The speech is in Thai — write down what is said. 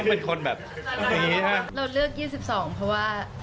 เราเลือก๒๒เพราะว่า